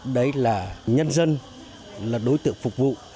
đấy là nhân dân là đối tượng phục vụ